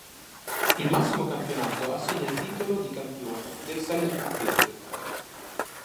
Il massimo campionato assegna il titolo di campione del Salisburghese.